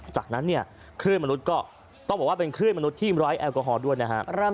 จากนั้นเนี่ยคลื่นมนุษย์ก็ต้องบอกว่าเป็นคลื่นมนุษย์ที่ไร้แอลกอฮอลด้วยนะฮะ